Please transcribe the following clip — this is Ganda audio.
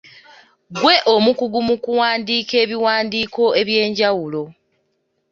Ggwe omukugu mu kuwandiika ebiwandiiko eby’enjawulo.